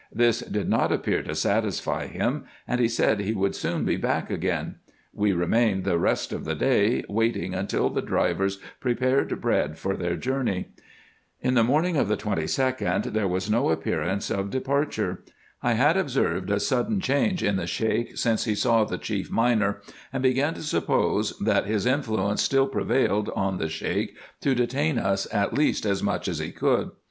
This did not appear to satisfy him, and he said he would soon be back again. We remained the rest of the day, waiting while the drivers prepared bread for their journey. In the morning of the 22d there was no appearance of de parture. I had observed a sudden change in the Sheik since he saw the chief miner, and began to suppose, that his influence still prevailed on the Sheik to detain us at least as much as he could.